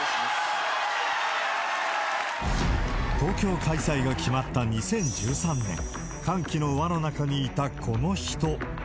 東京開催が決まった２０１３年、歓喜の輪の中にいたこの人。